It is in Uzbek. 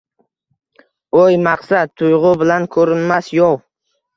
Oʻy, maqsad, tuygʻu bilan koʻrinmas yov